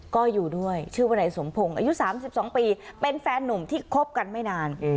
ก็อยู่ด้วยชื่อวันไหนสมพงษ์อายุสามสิบสองปีเป็นแฟนหนุ่มที่คบกันไม่นาน